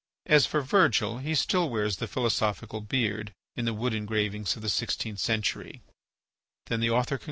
As for Virgil, he still wears the philosophical beard, in the wood engravings of the sixteenth century.